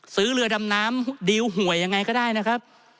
ซื้อเรือดำน้ำดิวหวยยังไงก็ได้นะครับ